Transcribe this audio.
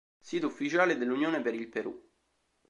Sito ufficiale dell'Unione per il Perù